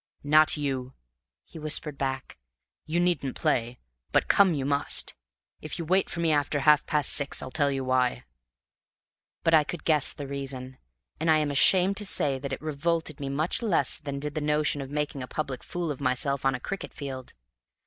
"Not you," he whispered back. "You needn't play, but come you must. If you wait for me after half past six I'll tell you why." But I could guess the reason; and I am ashamed to say that it revolted me much less than did the notion of making a public fool of myself on a cricket field.